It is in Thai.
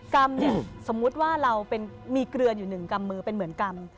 กรรมสมมุติว่าเรามีเกลืออยู่หนึ่งกรรมมือเป็นเหมือนกรรม